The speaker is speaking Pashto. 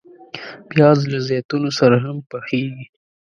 پیاز له زیتونو سره هم پخیږي